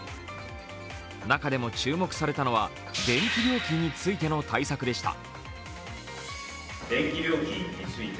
中でも注目されたのは、電気料金についての対策でした。